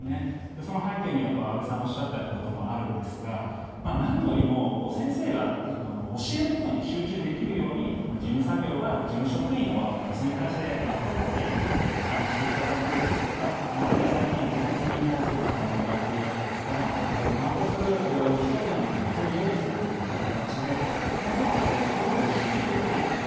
その背景には安部さんがおっしゃったようなこともあるんですが何よりも先生が教えることに集中できるように事務作業は事務職員を追加して雇って負担していただくですとかあるいは最近は部活に対する負担も言われているわけですから部活を担当する人というのを別に用意するという形で先生が教育に集中できるようにする。